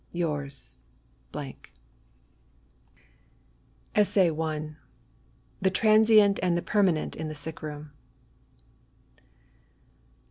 Yours, ESSAYS. THE TRANSIENT AND THE PERMANENT IN THE SICK ROOM.